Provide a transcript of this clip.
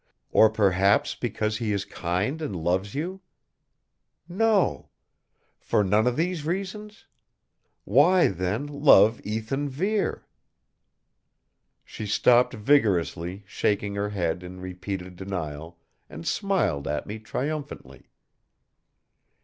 Or, perhaps, because he is kind and loves you? No! For none of these reasons? Why, then, love Ethan Vere?" She stopped vigorously shaking her head in repeated denial, and smiled at me triumphantly.